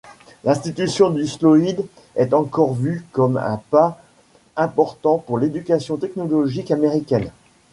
L'institution du Sloyd est encore vue comme un pas important pour l'éducation technologique américaine.